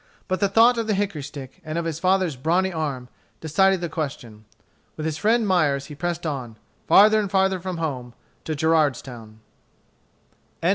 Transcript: But the thought of the hickory stick, and of his father's brawny arm, decided the question. With his friend Myers he pressed on, farther and farther from home, to Gerardstown. CHAPTER II.